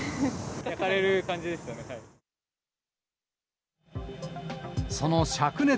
焼かれる感じですよね。